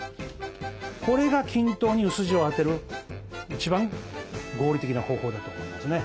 これが均等に薄塩を当てる一番合理的な方法だと思いますね。